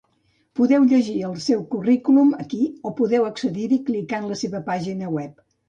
Podeu llegir el seu currículum aquí o podeu accedir-hi clicant la seva pàgina web.